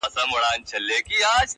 o غواړم چي ديدن د ښكلو وكړمـــه؛